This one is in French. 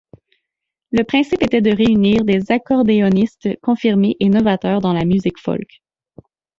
Le principe était de réunir des accordéonistes confirmés et novateurs dans la musique folk.